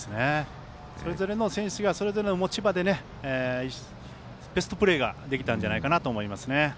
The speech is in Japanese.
それぞれの選手がそれぞれの持ち場でベストプレーができたんじゃないかなと思いますね。